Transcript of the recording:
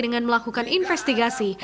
dengan melakukan investigasi